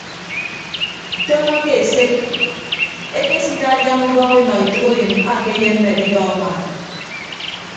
Tọọñọ ke eset ekesidadian ubọk enọ etәkeyịn akeyemme adidọ anwaan.